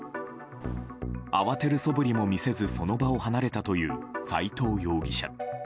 慌てるそぶりも見せずその場を離れたという斎藤容疑者。